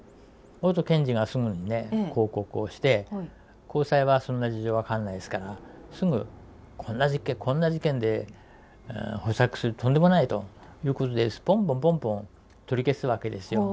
そうすると検事がすぐにね抗告をして高裁はそんな事情分かんないですからすぐこんな事件で保釈するとんでもないということでぼんぼんぼんぼん取り消すわけですよ。